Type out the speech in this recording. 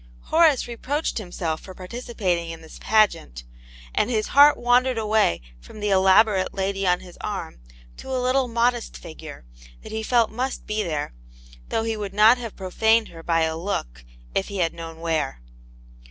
Horace reproached himself for participating in this pageant, and his heart wandered away from the elaborate lady on his arm to a little modest figure, that he felt must be' there, though he would not have pro faned her by a look, if he had known where.